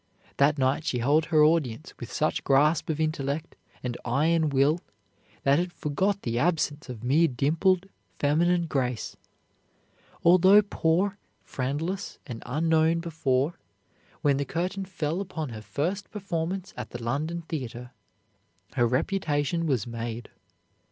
That night she held her audience with such grasp of intellect and iron will that it forgot the absence of mere dimpled feminine grace. Although poor, friendless, and unknown before, when the curtain fell upon her first performance at the London theater, her reputation was made.